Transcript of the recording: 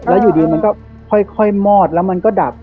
แล้วอยู่ดีมันก็ค่อยมอดแล้วมันก็ดับ